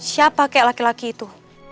siapa kayak laki laki itu